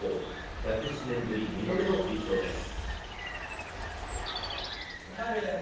１０７年ぶり２度目の優勝です。